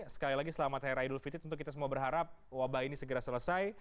sekali lagi selamat hari rai dulfitit untuk kita semua berharap wabah ini segera selesai